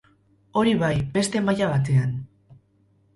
Hori bai beste maila batean.